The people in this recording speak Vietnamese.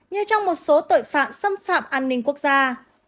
như trong một số tội phạm xâm phạm an ninh